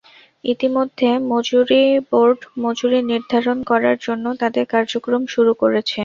ইতিমধ্যে মজুরি বোর্ড মজুরি নির্ধারণ করার জন্য তাদের কার্যক্রম শুরু করেছে।